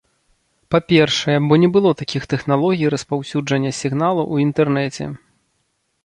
Па-першае, бо не было такіх тэхналогій распаўсюджання сігналу ў інтэрнэце.